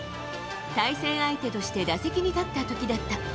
対戦相手として打席に立ったときだった。